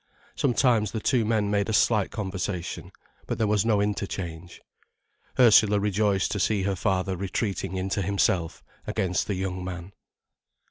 Sometimes the two men made a slight conversation, but there was no interchange. Ursula rejoiced to see her father retreating into himself against the young man.